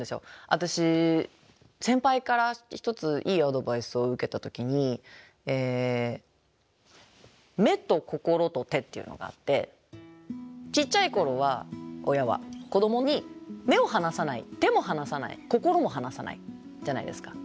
私先輩から一ついいアドバイスを受けた時に「目と心と手」っていうのがあってちっちゃい頃は親は子どもに目を離さない手も離さない心も離さないじゃないですか。